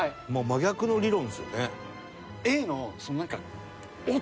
真逆の理論ですよね。